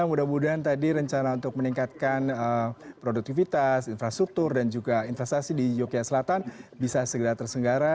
mudah mudahan tadi rencana untuk meningkatkan produktivitas infrastruktur dan juga investasi di yogyakarta selatan bisa segera terselenggara